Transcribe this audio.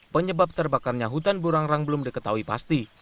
penyebab terbakarnya hutan burang rang belum diketahui pasti